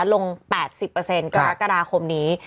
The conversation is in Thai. ลง๘๐กรกฎาคมนี้